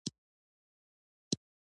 جلګه د افغانستان د طبیعت برخه ده.